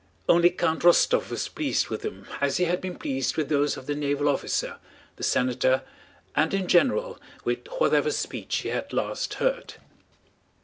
Only Count Rostóv was pleased with them as he had been pleased with those of the naval officer, the senator, and in general with whatever speech he had last heard.